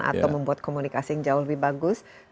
atau membuat komunikasi yang jauh lebih bagus